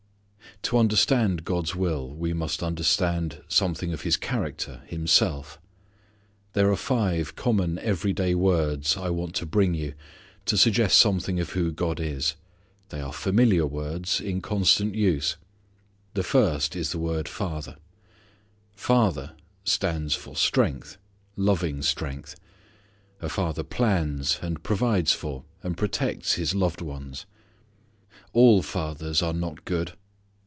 To understand God's will we must understand something of His character, Himself. There are five common every day words I want to bring you to suggest something of who God is. They are familiar words, in constant use. The first is the word father. "Father" stands for strength, loving strength. A father plans, and provides for, and protects his loved ones. All fathers are not good.